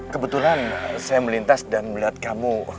kebetulan saya melintas dan melihat kamu